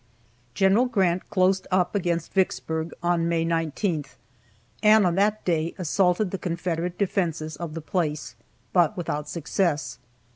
General Grant closed up against Vicksburg on May 19, and on that day assaulted the Confederate defenses of the place, but without success.